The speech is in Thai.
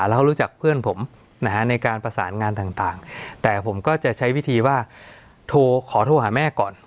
แล้วเขารู้จักเพื่อนผมในการประสานงานต่างแต่ผมก็จะใช้วิธีว่าโทรขอโทรหาแม่ก่อน